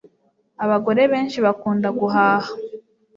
Abagore benshi bakunda guhaha